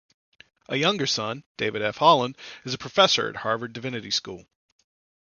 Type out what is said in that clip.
A younger son, David F. Holland, is a professor at Harvard Divinity School.